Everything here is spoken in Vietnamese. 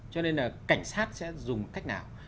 cho nên là cảnh sát sẽ dùng cách nào